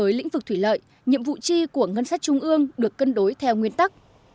với lĩnh vực thủy lợi nhiệm vụ chi của ngân sách trung ương được cân đối theo nguyên tắc